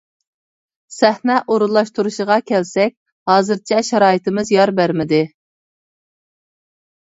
سەھنە ئورۇنلاشتۇرۇشىغا كەلسەك، ھازىرچە شارائىتىمىز يار بەرمىدى.